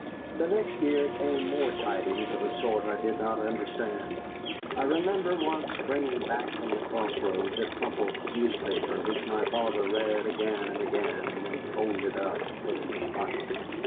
The next year came more tidings of a sort I did not understand. I remember once bringing back from the Cross Roads a crumpled newspaper, which my father read again and again, and then folded up and put in his pocket.